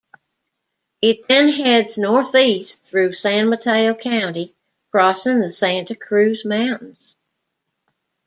It then heads northeast through San Mateo County crossing the Santa Cruz Mountains.